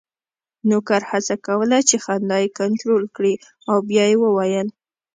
نوکر هڅه کوله چې خندا یې کنټرول کړي او بیا یې وویل: